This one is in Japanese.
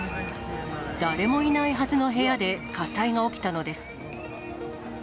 誰もいないはずの部屋で火災が起きたのです。